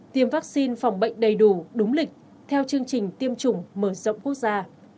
tiêm vaccine phòng bệnh đầy đủ đúng lịch theo chương trình tiêm chủng mở rộng quốc gia